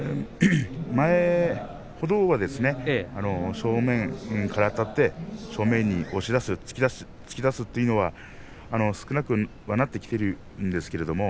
前ほどは正面からあたって正面に押し出す突き出すというのは少なくはなってきています。